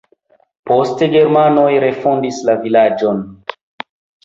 Poste germanoj refondis la vilaĝon.